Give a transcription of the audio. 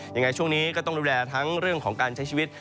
ยังไงช่วงนี้ก็ต้องดูแลทั้งเรื่องของการใช้ชีวิต